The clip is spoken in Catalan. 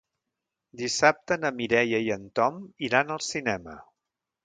Dissabte na Mireia i en Tom iran al cinema.